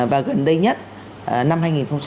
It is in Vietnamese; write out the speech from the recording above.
và gần đây nhất năm hai nghìn hai mươi một